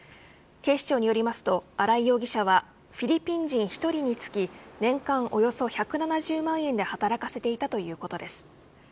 警視庁によりますと荒井容疑者はフィリピン人１人につき年間およそ１７０万円で働かせていたということです。